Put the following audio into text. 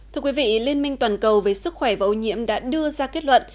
thưa quý vị liên minh toàn cầu về sức khỏe và ô nhiễm đã đưa ra kết luận